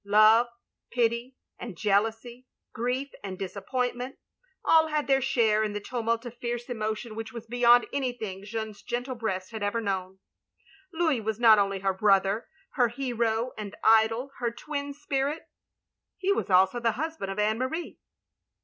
Love, pity, and jealousy, grief and disappoint ment, all had their share in the tumult of fierce emotion which was beyond anything Jeanne's gentle breast had ever known. Louis was not only her brother, her hero and idol, her twin spirit, — ^he was also the husband of Anne Marie.